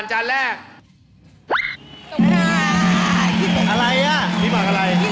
อะไรอ่ะพี่หมักอะไร